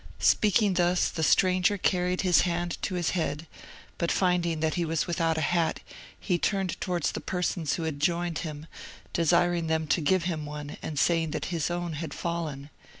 Speaking thus, the stranger carried his hand to his head, but finding that he was without a hat, he turned towards the persons who had joined him, desiring them to give him one, and saying that his own had fallen.